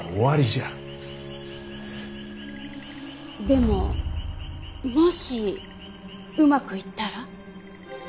でももしうまくいったら。